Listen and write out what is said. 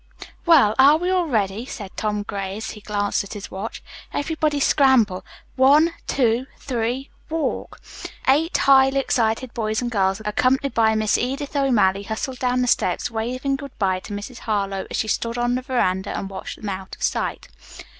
"Well, are we all ready?" said Tom Gray, as he glanced at his watch. "Everybody scramble. One, two, three, walk." Eight highly excited boys and girls accompanied by Miss Edith O'Malley, hustled down the steps, waving good bye to Mrs. Harlowe as she stood on the veranda and watched them out of sight.